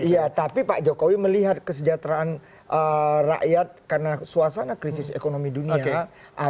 iya tapi pak jokowi melihat kesejahteraan rakyat karena suasana krisis ekonomi dunia